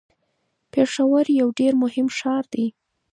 پېښور یو ډیر مهم ښار دی.